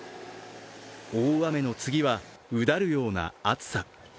大雨の次はうだるような暑さ。